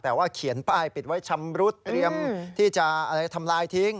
แต่ว่าเขียนป้ายปิดไว้ชำรุดเตรียมที่จะทำลายทิ้ง